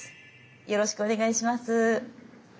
よろしくお願いします。